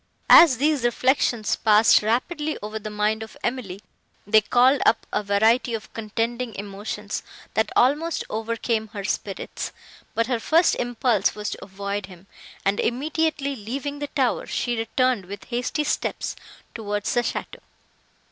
As these reflections passed rapidly over the mind of Emily, they called up a variety of contending emotions, that almost overcame her spirits; but her first impulse was to avoid him, and, immediately leaving the tower, she returned, with hasty steps, towards the château.